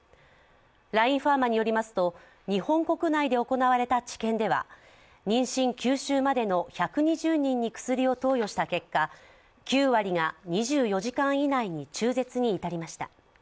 ラインファーマによりますと、日本国内で行われた治験では妊娠９週までの１２０人に薬を投与した結果、９割が２４時間以内に中絶に至りました。